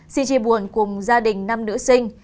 xin chìa buồn cùng gia đình năm nữ sinh